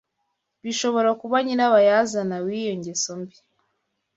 bishobora kuba nyirabayazana w’iyo ngeso mbi